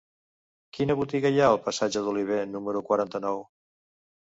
Quina botiga hi ha al passatge d'Olivé número quaranta-nou?